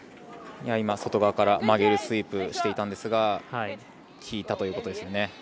外側から曲げるスイープしていたんですが効いたということですね。